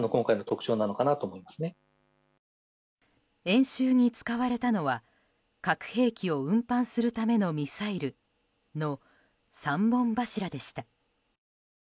演習に行われたのは核兵器を運搬するためのミサイルの３本柱でした。